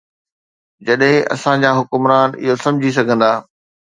جڏهن اسان جا حڪمران اهو سمجهي سگهندا.